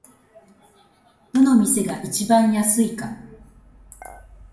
どの店が一番安いか